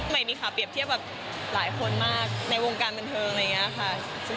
ไม่มีค่ะเปรียบเทียบกับหลายคนมากในวงการบันเทิงอะไรอย่างนี้ค่ะ